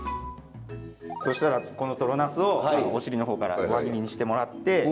そしたらこのとろナスをお尻の方から輪切りにしてもらって。